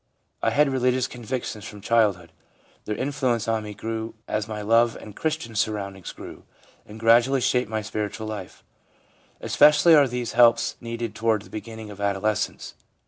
I had religious convictions from child hood ; their influence on me grew as my love and Christian surroundings grew, and gradually shaped my spiritual life/ Especially are these helps needed toward the beginning of adolescence.